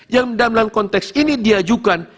yang dalam konteks ini diajukan